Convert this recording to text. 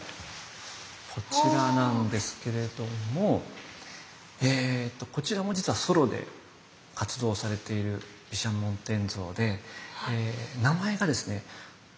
こちらなんですけれどもこちらも実はソロで活動されている毘沙門天像で名前がですね